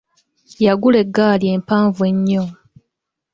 Yagula egaali empanvu ennyo.